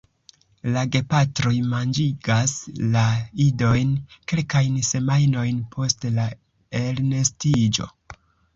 La gepatroj manĝigas la idojn kelkajn semajnojn post la elnestiĝo.